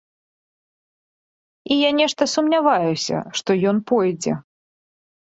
І я нешта сумняваюся, што ён пойдзе.